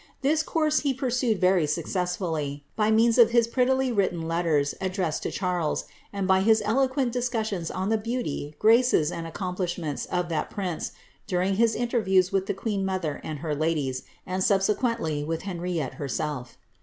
This course be pursued very successfully, by the means of his prettily written let ters addressed to Charles, and by his eloquent discussions on the beauty, graces, and accomplishments of that prince, during his interviews with the queen mother and her ladies, and subsequently with Henriette her self.